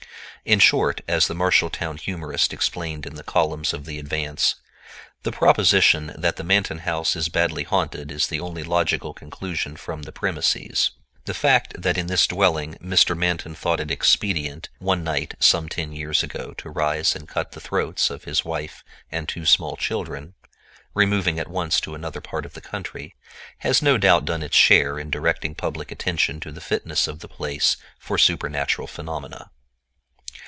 In short, as the Marshall town humorist explained in the columns of the Advance, "the proposition that the Manton house is badly haunted is the only logical conclusion from the premises." The fact that in this dwelling Mr. Manton thought it expedient one night some ten years ago to rise and cut the throats of his wife and two small children, removing at once to another part of the country, has no doubt done its share in directing public attention to the fitness of the place for supernatural phenomena.